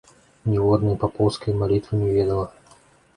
Ніводнай папоўскай малітвы не ведала.